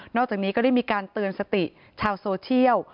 อกจากนี้ก็ได้มีการเตือนสติชาวโซเชียล